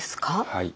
はい。